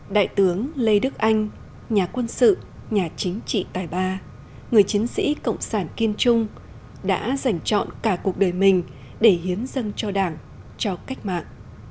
đại tướng lê đức anh nhà quân sự nhà chính trị tài ba người chiến sĩ cộng sản kiên trung đã giành chọn cả cuộc đời mình để hiến dân cho đảng cho cách mạng